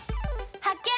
発見！